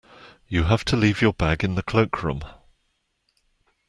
You have to leave your bag in the cloakroom